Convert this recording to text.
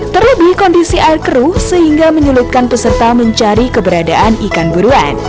terlebih kondisi air keruh sehingga menyulitkan peserta mencari keberadaan ikan buruan